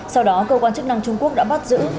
sau đó cơ quan chức năng trung quốc đã bắt giữ